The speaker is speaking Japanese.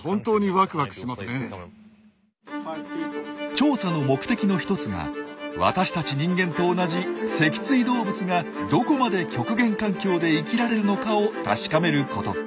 調査の目的の一つが私たち人間と同じ脊椎動物がどこまで極限環境で生きられるのかを確かめること。